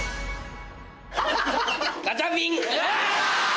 ガチャピン！